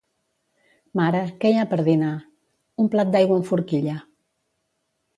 —Mare, què hi ha per dinar? —Un plat d'aigua amb forquilla.